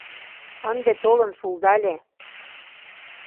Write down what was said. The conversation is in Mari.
Ынде толын шулдале.